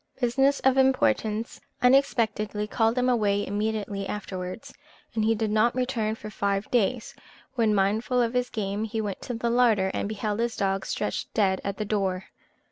Business of importance unexpectedly called him away immediately afterwards, and he did not return for five days; when, mindful of his game, he went to the larder, and beheld his dog stretched dead at the door.